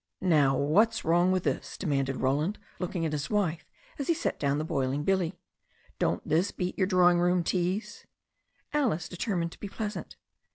"Now, what's wrong with this?" demanded Roland, look ing at his wife, as he set down the boiling billy. "Don't this beat your drawing room teas?" Alice determined to be pleasant.